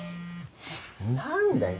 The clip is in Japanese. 何だよ